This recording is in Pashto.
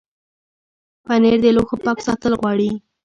پنېر د لوښو پاک ساتل غواړي.